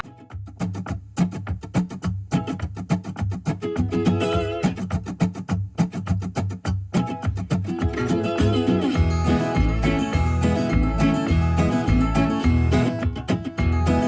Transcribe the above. กินข้าวขอบคุณครับ